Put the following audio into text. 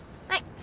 はい。